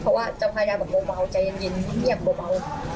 เพราะว่าเจ้าพายาแบบเบาเบาใจยังเย็นเงียบเบาเบา